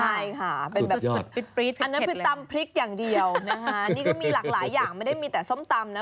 อันนั้นเป็นตำพริกอย่างเดียวมีหลากหลายอย่างมันไม่มีแต่ส้มตำนะ